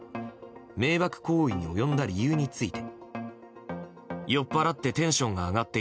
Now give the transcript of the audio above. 迷惑行為に及んだ理由について。